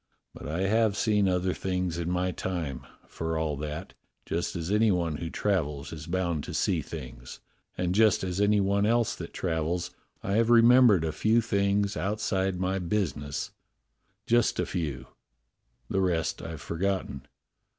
But I have seen other things in my time, for all that, just as any one who travels is bound to see things, and, just as any one else that travels, I have remembered a few things out side my business, just a few; the rest I've forgotten.